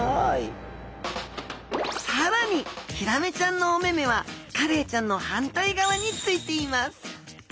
更にヒラメちゃんのお目々はカレイちゃんの反対側についています。